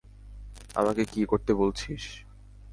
আমাকে কী করতে বলছিস?